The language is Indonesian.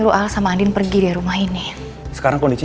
dok saya tunggu di luar ya dok ya